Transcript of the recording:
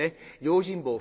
用心棒